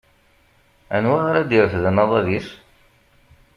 Anwa ara d-irefden aḍad-is?